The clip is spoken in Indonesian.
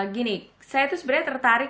gini saya tuh sebenarnya tertarik